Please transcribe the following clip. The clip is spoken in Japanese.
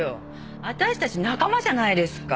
私たち仲間じゃないですか。